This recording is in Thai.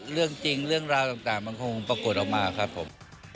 เรื่องจริงเรื่องราวต่างมันคงปรากฏออกมาครับผม